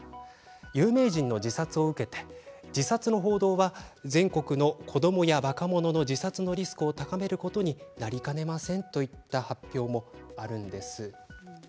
有名人の自殺を受けて自殺の報道は全国の子どもや若者の自殺リスクを高めることになりかねませんという発表もあるんです。